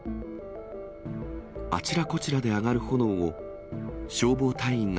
あちらこちらで上がる炎を、消防隊員が